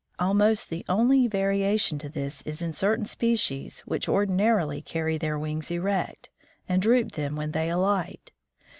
Almost the only variation to this is in certain species which ordinarily carry their wings erect, and droop them when they alight.